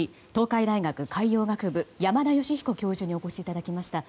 海洋学部山田吉彦教授にお越しいただきました。